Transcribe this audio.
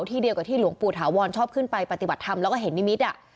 ที่เดียวกับที่หลวงปู่ถาวรชอบขึ้นไปปฏิบัติธรรมแล้วก็เห็นนิมิต